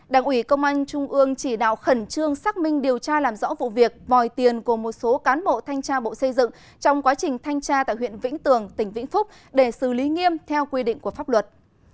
đảng ủy công an trung ương chỉ đạo khẩn trương xác minh điều tra làm rõ vụ việc vòi tiền của một số cán bộ thanh tra bộ xây dựng trong quá trình thanh tra tại huyện vĩnh tường tỉnh vĩnh phúc để xử lý nghiêm theo quy định của pháp luật